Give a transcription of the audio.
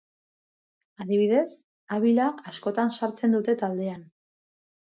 Adibidez, Abila askotan sartzen dute taldean.